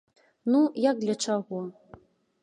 Ну, як для чаго?